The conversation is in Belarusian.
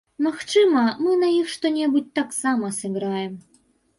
Магчыма, мы на іх што-небудзь таксама сыграем.